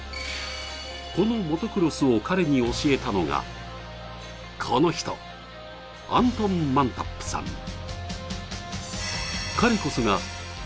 このモトクロスを彼に教えたのがこの人アントン・マンタップさん